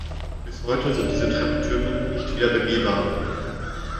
Bis heute sind diese Treppentürme nicht wieder begehbar.